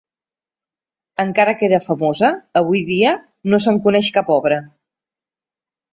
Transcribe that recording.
Encara que era famosa, avui dia no se'n coneix cap obra.